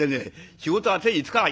仕事が手につかない！